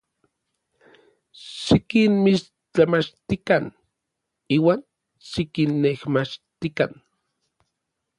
Xikinmixtlamachtikan iuan xikinnejmachtikan.